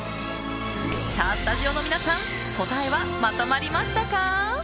スタジオの皆さん答えはまとまりましたか？